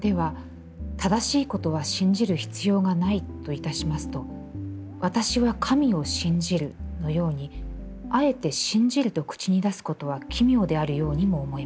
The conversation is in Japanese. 『正しいことは信じる必要がない』といたしますと『私は神を信じる』のように、あえて『信じる』と口に出すことは奇妙であるようにも思えます。